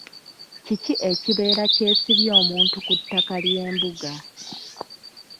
Kiki ekibeera kyesibya omuntu ku ttaka ly'embuga?